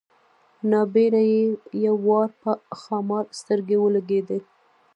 نا ببره یې یو وار پر ښامار سترګې ولګېدې.